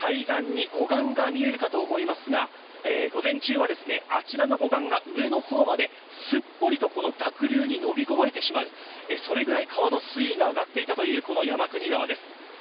対岸に護岸が見えるかと思いますが、午前中はあちらの護岸が上のほうまで、すっぽりとこの濁流に飲み込まれてしまう、それぐらい川の水位が上がっていたという、この山国川です。